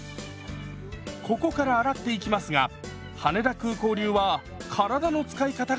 ここから洗っていきますが羽田空港流は体の使い方が違います！